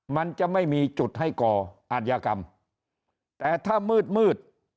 มันจะไม่มีจุดให้ก่ออาจยากรรมแต่ถ้ามืดมืด